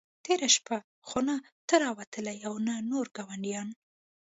تېره شپه خو نه ته را وتلې او نه نور ګاونډیان.